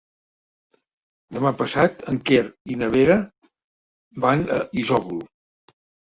Demà passat en Quer i na Vera van a Isòvol.